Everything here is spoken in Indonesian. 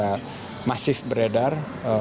yang sangat masif beredar